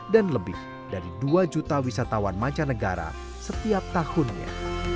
dan lebih dari dua juta wisatawan macanegara setiap tahunnya